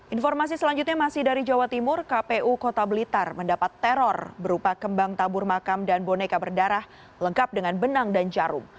informasi selanjutnya masih dari jawa timur kpu kota blitar mendapat teror berupa kembang tabur makam dan boneka berdarah lengkap dengan benang dan jarum